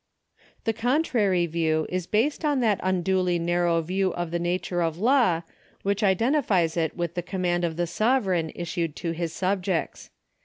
The contrary view is based on that unduly narrow view of the nature of law which identifies it with the command of the sovereign issued to his subjects.